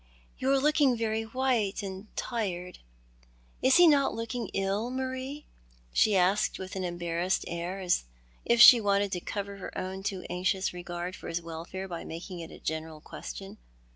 " You are looking very white and tired. Is he not looking ill, Marie ?" she asked, with an em barrassed air, as if she wanted to cover her own too anxious regard for his welfare by making it a general question.